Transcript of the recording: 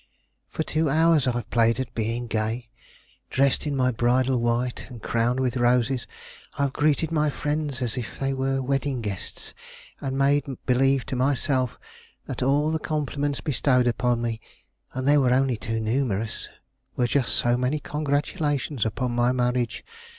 "For two hours I have played at being gay. Dressed in my bridal white, and crowned with roses, I have greeted my friends as if they were wedding guests, and made believe to myself that all the compliments bestowed upon me and they are only too numerous were just so many congratulations upon my marriage.